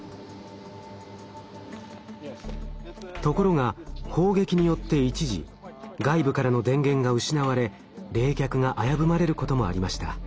ところが砲撃によって一時外部からの電源が失われ冷却が危ぶまれることもありました。